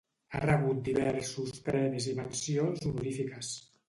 Ha rebut diversos premis i mencions honorífiques.